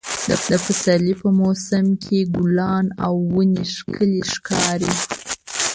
د پسرلي په موسم کې ګلان او ونې ښکلې ښکاري.